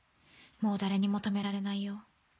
もう誰にも止められないよ。